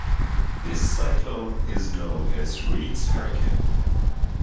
This cyclone is known as Reid's Hurricane.